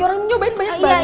orang nyobain banyak banyak